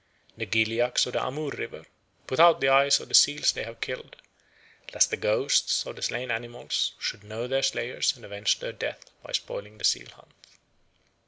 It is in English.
The Gilyaks of the Amoor River put out the eyes of the seals they have killed, lest the ghosts of the slain animals should know their slayers and avenge their death by spoiling the seal hunt.